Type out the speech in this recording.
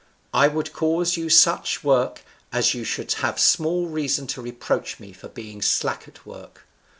I would cause you such work as you should have small reason to reproach me with being slack at work.